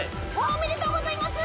おめでとうございます！